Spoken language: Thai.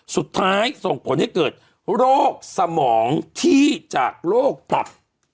ส่งผลให้เกิดโรคสมองที่จากโรคตับ